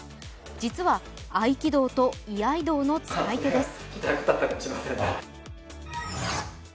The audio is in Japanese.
実は合気道と居合道の使い手です。